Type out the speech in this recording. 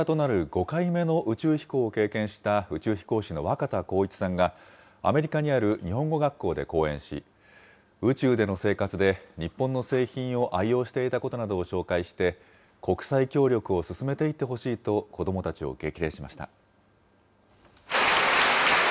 ５回目の宇宙飛行を経験した宇宙飛行士の若田光一さんが、アメリカにある日本語学校で講演し、宇宙での生活で日本の製品を愛用していたことなどを紹介して、国際協力を進めていってほしいと子どもたちを激励しました。